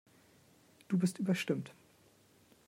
Du bist überstimmt.